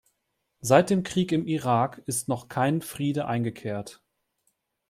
Seit dem Krieg im Irak ist noch kein Friede eingekehrt.